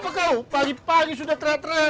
maksudku game ini rugi sering